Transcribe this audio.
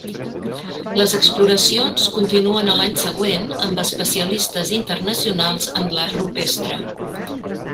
Les exploracions continuen a l'any següent amb especialistes internacionals en l'art rupestre.